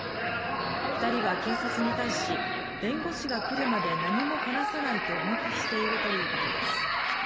２人は警察に対し弁護士が来るまで何も話さないと黙秘しているということです。